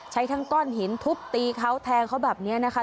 ใช้ทั้งก้อนหินทุบตีเขาแทงเขาแบบนี้นะคะ